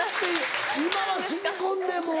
今は新婚でもう。